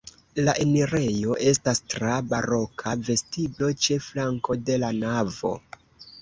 La enirejo estas tra baroka vestiblo ĉe flanko de la navo.